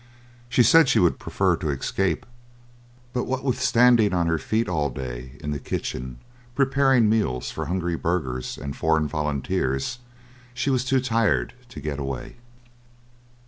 She said she would prefer to escape, but what with standing on her feet all day in the kitchen preparing meals for hungry burghers and foreign volunteers, she was too tired to get away.